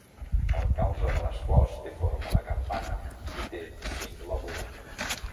El calze de les flors té forma de campana i té cinc lòbuls.